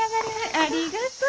ありがとう。